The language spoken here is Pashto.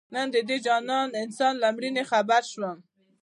نن د دې جانانه انسان له مړیني خبر شوم